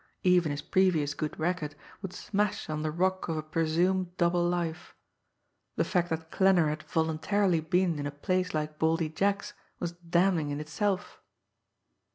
Even his previous good record would smash on the rock of a presumed double life. The fact that Klanner had voluntarily been in a place like Baldy Jack's was damning in itself!